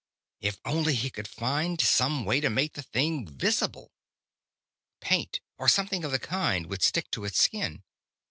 If only he could find some way to make the thing visible! Paint, or something of the kind, would stick to its skin....